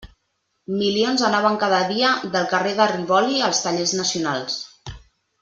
Milions anaven cada dia del carrer de Rivoli als tallers nacionals.